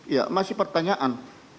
ya masih pertanyaan